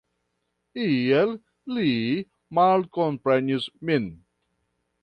Iel li malkomprenis min.